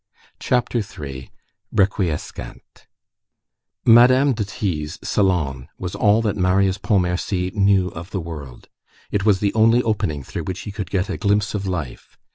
CHAPTER III—REQUIESCANT Madame de T.'s salon was all that Marius Pontmercy knew of the world. It was the only opening through which he could get a glimpse of life.